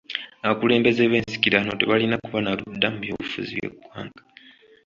Abakulembeze b'ensikirano tebalina kuba na ludda mu by'obufuzi bw'eggwanga.